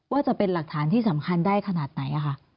ว่าจะเป็นหลักฐานที่สำคัญได้ขนาดไหน